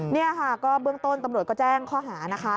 นี่ค่ะก็เบื้องต้นตำรวจก็แจ้งข้อหานะคะ